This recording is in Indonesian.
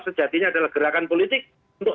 sejatinya adalah gerakan politik untuk